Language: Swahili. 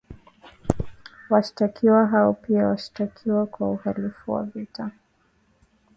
Washtakiwa hao pia wanashtakiwa kwa uhalifu wa vita